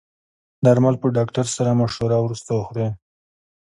درمل په ډاکټر سره مشوره وروسته وخورئ.